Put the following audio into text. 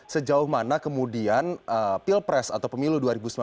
sejauh mana kemudian pilpres atau pemilu dua ribu sembilan belas